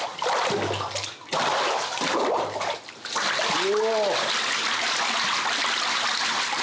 お！